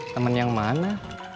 temen yang mana